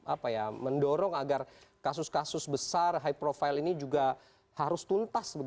bagaimana komponas ini mendorong agar kasus kasus besar high profile ini juga harus tuntas